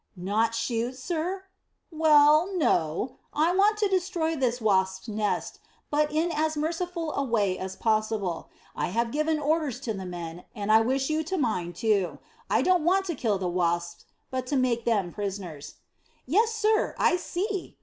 "Not shoot, sir?" "Well no. I want to destroy this wasps' nest, but in as merciful a way as possible. I have given orders to the men, and I wish you to mind too I don't want to kill the wasps, but to make them prisoners." "Yes, sir, I see."